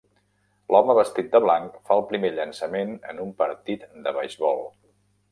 L'home vestit de blanc fa el primer llançament en un partit de beisbol.